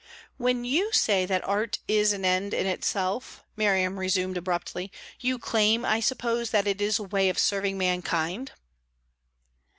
"When you say that art is an end in itself," Miriam resumed abruptly, "you claim, I suppose, that it is a way of serving mankind?"